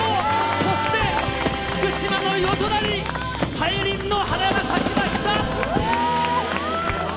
そして、福島の夜空に大輪の花が咲きました。